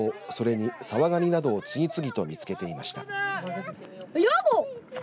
それにサワガニなどを次々と見つけていました。